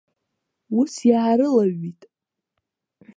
Ус иаарылаҩит.